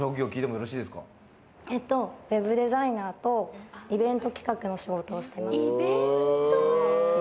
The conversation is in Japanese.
Ｗｅｂデザイナーとイベント企画の仕事をしています。